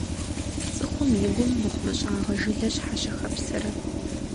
Цӏыхум и гум мыхъумыщӏагъэ жылэ щхьэ щыхэпсэрэ?